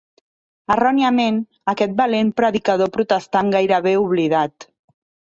Erròniament, aquest valent predicador protestant gairebé oblidat.